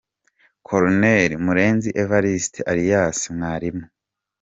- Colonel Murenzi Evariste alias Mwalimu